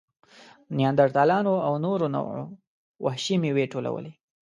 نیاندرتالانو او نورو نوعو وحشي مېوې ټولولې.